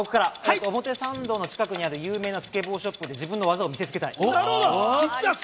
表参道の近くにある有名なスケボーショップで自分の技を見せ付けたい。